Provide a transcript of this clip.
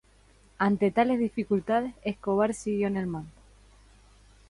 Ante tales dificultades, Escobar siguió en el mando.